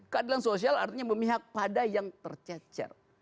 keadilan sosial artinya memihak pada yang tercecer